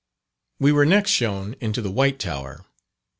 We were next shown into the "White Tower."